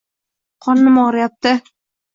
Qornim og'riyapti.